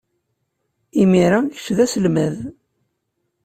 Imir-a, kečč d aselmad.